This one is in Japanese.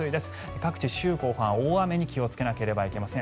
各地、週後半は大雨に注意しなければいけません。